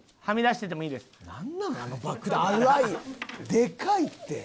でかいって。